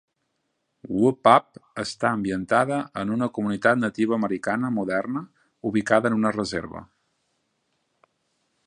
"Whoop-Up" està ambientada en una comunitat nativa americana moderna ubicada en una reserva.